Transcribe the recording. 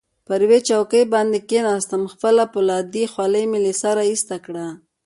پر یوې چوکۍ باندې کښېناستم، خپله فولادي خولۍ مې له سره ایسته کړه.